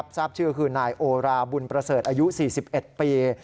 ทราบชื่อคือนายโอราบุญประเสริฐอายุ๔๑ปี